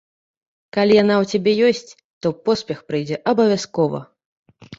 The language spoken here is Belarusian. Калі яна ў цябе ёсць, то поспех прыйдзе абавязкова.